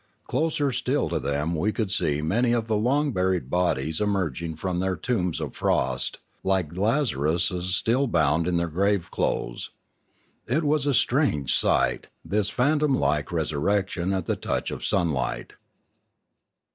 Closer still to them we could see many of the long buried bodies emerging from their tombs of frost, like Laza ruses still bound in their grave clothes. It was a strange sight, this phantom like resurrection at the touch of sunlight.